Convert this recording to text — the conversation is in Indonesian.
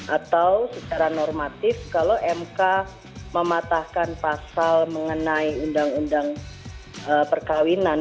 atau secara normatif kalau mk mematahkan pasal mengenai undang undang perkawinan